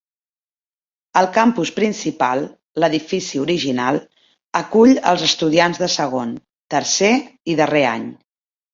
El campus principal, l'edifici original, acull als estudiants de segon, tercer i darrer any.